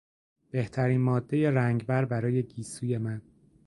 بهترین مادهی رنگبر برای گیسوی من